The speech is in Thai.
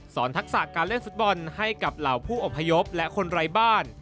ทักษะการเล่นฟุตบอลให้กับเหล่าผู้อพยพและคนไร้บ้าน